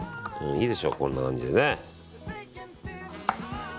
いいでしょう、こんな感じでね。